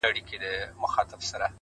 په مخه دي د اور ګلونه!